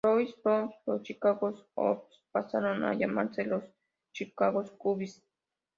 Louis Browns, los Chicago Orphans pasaron a llamarse los Chicago Cubs.